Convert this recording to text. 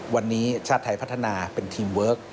วันนี้ชาติไทยพัฒนาเป็นทีมเวิร์ค